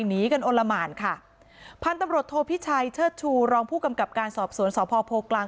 หนีกันอลละหมานค่ะพันธุ์ตำรวจโทพิชัยเชิดชูรองผู้กำกับการสอบสวนสพโพกลาง